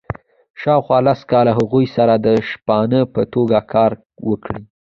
شاوخوا لس کاله هغوی سره د شپانه په توګه کار وکړي.